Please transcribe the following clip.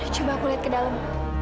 coba aku lihat ke dalam